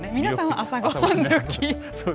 皆さんは朝ごはんどき。